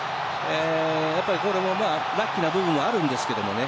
やっぱりこれもラッキーな部分もあるんですけどね。